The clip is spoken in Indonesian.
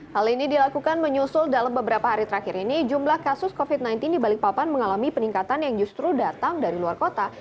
hal ini dilakukan menyusul dalam beberapa hari terakhir ini jumlah kasus covid sembilan belas di balikpapan mengalami peningkatan yang justru datang dari luar kota